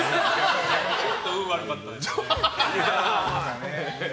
ちょっと運悪かったですね。